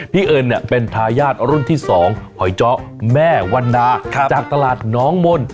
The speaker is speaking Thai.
พี่เอิญเนี้ยเป็นทายาทรุ่นที่สองแม่วันดาครับจากตลาดน้องม่น